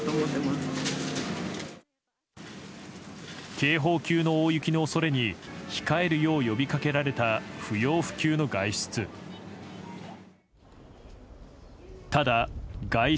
警報級の大雪の恐れに控えるよう呼びかけられた不要不急の外出。